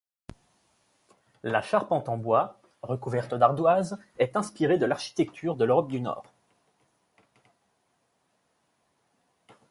La charpente en bois, recouverte d'ardoise, est inspirée de l'architecture de l'Europe du Nord.